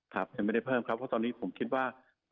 ยังไม่ได้เพิ่มครับเพราะตอนนี้ผมคิดว่า